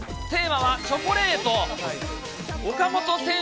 テーマはチョコレート。